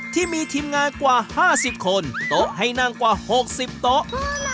ที่มีทีมงานกว่า๕๐คนโต๊ะให้นั่งกว่า๖๐โต๊ะ